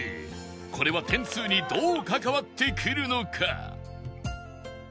これは点数にどう関わってくるのか？